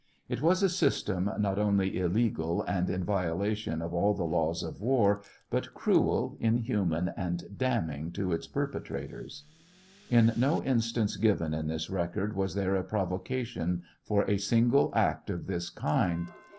It was a system, not only illegal and in violation of all the laws of war, but cruel, inhuman, and damning to its perpetrators. In no instance given in this record was there a provocation for a single act of this kind.